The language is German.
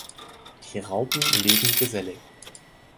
Die Raupen leben gesellig.